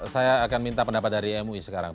saya akan minta pendapat dari mui sekarang